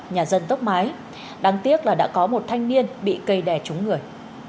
nhà dân tốc mái đáng tiếc là đã có một thanh niên bị cây đè trúng người